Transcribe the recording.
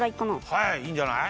はいいいんじゃない。